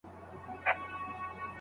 ښايي څېړونکی په خپله څېړنه کي بریالی سي.